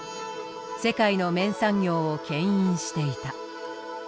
世界の綿産業をけん引していた。